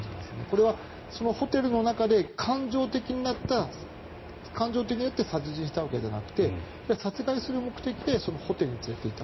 これはホテルの中で感情的になって殺人したわけじゃなくて殺害する目的でホテルに連れていった。